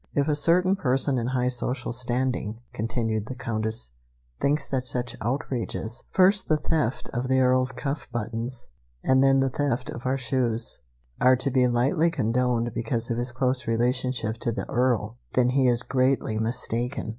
"If a certain person in high social standing," continued the Countess, "thinks that such outrages, first the theft of the Earl's diamond cuff buttons and then the theft of our shoes, are to be lightly condoned because of his close relationship to the Earl, then he is greatly mistaken!"